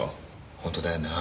ホントだよな。